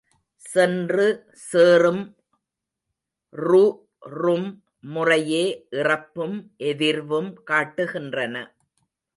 சென்று சேறும் று, றும் முறையே இறப்பும் எதிர்வும் காட்டுகின்றன.